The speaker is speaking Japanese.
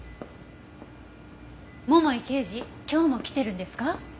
桃井刑事今日も来てるんですか？